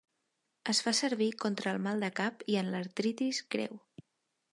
Es fa servir contra el mal de cap i en l'artritis greu.